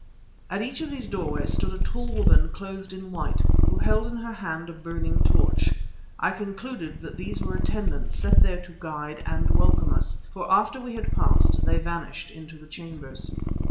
At each of these doorways stood a tall woman clothed in white, who held in her hand a burning torch. I concluded that these were attendants set there to guide and welcome us, for after we had passed, they vanished into the chambers.